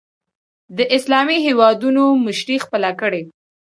د اسلامي هېوادونو مشري خپله کړي